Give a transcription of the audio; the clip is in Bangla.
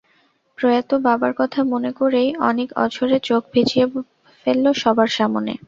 প্রয়াত বাবার কথা মনে করেই অনীক অঝোরে চোখ ভিজিয়ে ফেলল সবার সামনে।